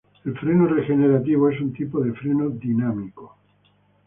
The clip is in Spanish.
El freno regenerativo es un tipo de freno dinámico.